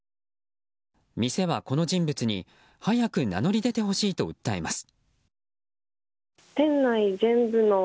店はこの人物に早く名乗り出てほしいと訴えます。